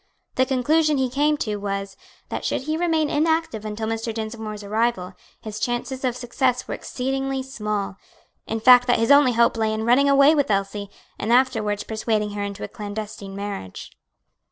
The conclusion he came to was, that should he remain inactive until Mr. Dinsmore's arrival, his chances of success were exceedingly small; in fact that his only hope lay in running away with Elsie, and afterwards persuading her into a clandestine marriage.